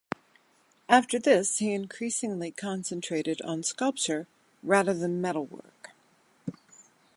After this he increasingly concentrated on sculpture rather than metalwork.